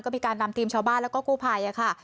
ก็มีการนำทีมชาวบ้านแล้วก็กู้ภัยค่ะ